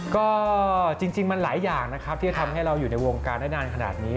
ก็จริงมันหลายอย่างนะครับที่จะทำให้เราอยู่ในวงการได้นานขนาดนี้